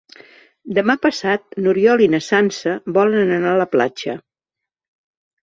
Demà passat n'Oriol i na Sança volen anar a la platja.